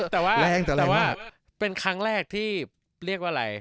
แต่ว่าเป็นครั้งแรกที่เรียกว่าอะไร